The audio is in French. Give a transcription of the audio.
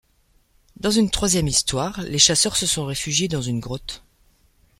Dans une troisième histoire, les chasseurs se sont réfugiés dans une grotte.